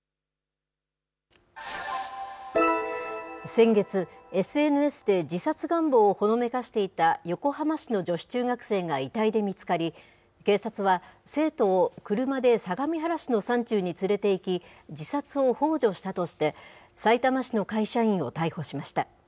先月、ＳＮＳで自殺願望をほのめかしていた横浜市の女性中学生が遺体で見つかり、警察は、生徒を車で相模原市の山中に連れていき、自殺をほう助したとして、さいたま市の会社員を逮捕しました。